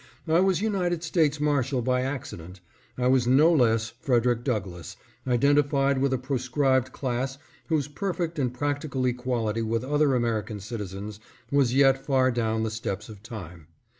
I was United States Marshal by accident. I was no less Frederick Douglass, identified with a pro scribed class whose perfect and practical equality with other American citizens was yet far down the steps of time.